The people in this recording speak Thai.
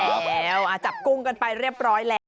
แล้วจับกุ้งกันไปเรียบร้อยแล้ว